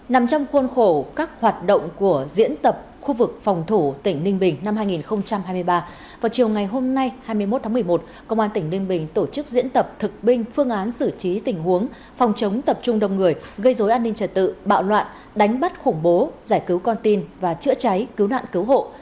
nằm trong khuôn khổ các hoạt động của diễn tập khu vực phòng thủ tỉnh ninh bình năm hai nghìn hai mươi ba vào chiều ngày hôm nay hai mươi một tháng một mươi một công an tỉnh ninh bình tổ chức diễn tập thực binh phương án xử trí tình huống phòng chống tập trung đông người gây dối an ninh trật tự bạo loạn đánh bắt khủng bố giải cứu con tin và chữa cháy cứu nạn cứu hộ